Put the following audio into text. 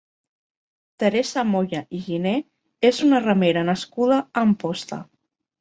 Teresa Moya i Giné és una remera nascuda a Amposta.